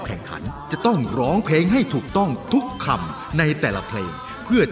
รายการต่อปีนี้เป็นรายการทั่วไปสามารถรับชมได้ทุกวัย